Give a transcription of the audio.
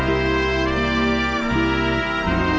สงสัยสามารถ